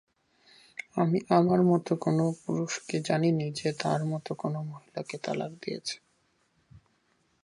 আমি আমার মতো কোনও পুরুষকে জানিনি যে তার মতো কোনও মহিলাকে তালাক দিয়েছে